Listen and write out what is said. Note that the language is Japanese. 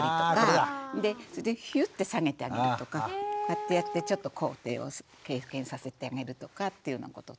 あこれだ！でヒュッて下げてあげるとかこうやってやってちょっと高低を経験させてあげるとかっていうようなこととか。